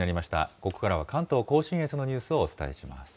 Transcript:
ここからは関東甲信越のニュースをお伝えします。